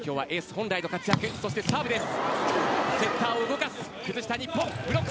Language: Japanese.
本来の活躍そしてサーブです。